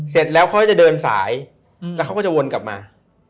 เสร็จแล้วเขาจะเดินสายเเค้าก็จะวนกลับมา